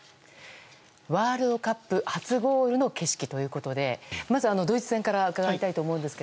ワールドカップ初ゴールの景色ということでまずドイツ戦から伺いたいと思うんですが。